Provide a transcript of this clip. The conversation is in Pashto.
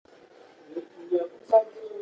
د آمریت د اوامرو رعایت ارزیابي کیږي.